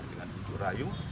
dengan jujur rayu